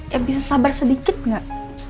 ya bisa sabar sedikit nggak